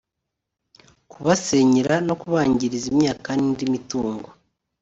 kubasenyera no kubangiriza imyaka n’indi mitungo